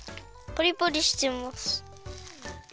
パリパリしてます。